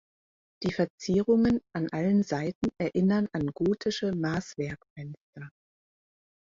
Die Verzierungen an allen Seiten erinnern an gotische Maßwerkfenster.